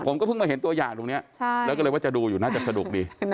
ผมก็เพิ่งมาเห็นตัวอย่างตรงนี้แล้วก็เลยว่าจะดูอยู่น่าจะสนุกดี